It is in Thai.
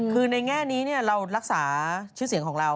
คือในแง่นี้เรารักษาชื่อเสียงของเรา